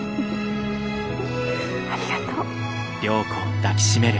ありがとう。